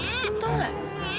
pusing tau nggak